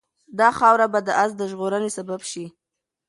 دا خاوره به د آس د ژغورنې سبب شي.